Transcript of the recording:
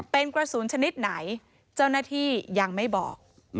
เป็นกระสุนชนิดไหนเจ้าหน้าที่ยังไม่บอก